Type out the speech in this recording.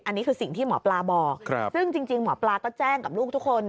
อันนี้คือสิ่งที่หมอปลาบอกซึ่งจริงหมอปลาก็แจ้งกับลูกทุกคน